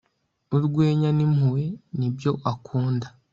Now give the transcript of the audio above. urwenya n'impuhwe nibyo akunda